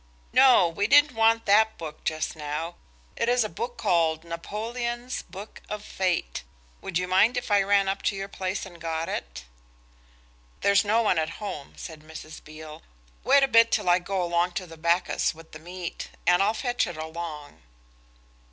"No–we didn't want that book just now. It is a book called 'Napoleon's book of Fate.' Would you mind if I ran up to your place and got it?" "There's no one at home," said Mrs. Beale; "wait a bit till I go along to the bakus with the meat, and I'll fetch it along."